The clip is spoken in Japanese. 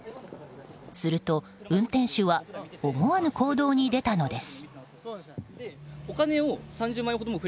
すると、運転手は思わぬ行動に出たのです。